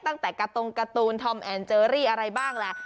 ตั้งแต่กระตงการ์ตูนธอมแอนเจอรี่อะไรบ้างแหละ